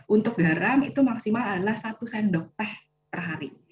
untuk garam itu maksimal adalah satu sendok teh perhari